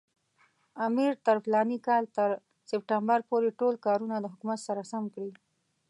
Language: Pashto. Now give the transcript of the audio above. امیر تر فلاني کال تر سپټمبر پورې ټول کارونه د حکومت سره سم کړي.